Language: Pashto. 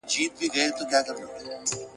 بلکې د مور په لوري پوري ټاکل کېږي